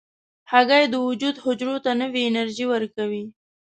هګۍ د وجود حجرو ته نوې انرژي ورکوي.